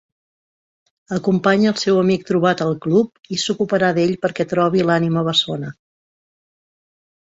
Acompanya el seu amic trobat al seu club, i s'ocuparà d'ell perquè trobi l'ànima bessona.